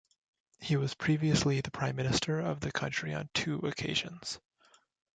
He was previously the Prime Minister of the country on two occasions.